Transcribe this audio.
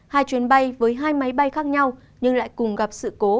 hai chuyến bay với hai máy bay khác nhau nhưng lại cùng gặp sự cố